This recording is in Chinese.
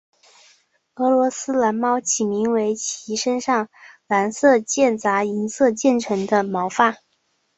俄罗斯蓝猫起名为其身上蓝色间杂银色渐层的毛发。